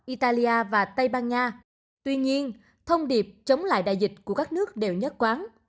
italia và tây ban nha tuy nhiên thông điệp chống lại đại dịch của các nước đều nhất quán